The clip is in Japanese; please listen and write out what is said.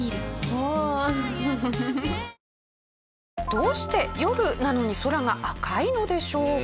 どうして夜なのに空が赤いのでしょうか？